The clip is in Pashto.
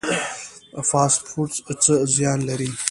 فاسټ فوډ څه زیان لري؟